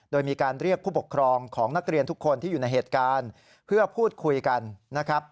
โดยมีการเรียกผู้ปกครองของนักเรียนทุกคนที่อยู่ในเหตุการณ์เพื่อพูดคุยกันนะครับ